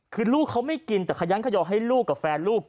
คือลูกเขาไม่กินแต่ขยันขยอให้ลูกกับแฟนลูก